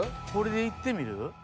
これでいってみる？